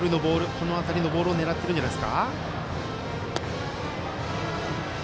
この辺りのボールを狙っているんじゃないですか。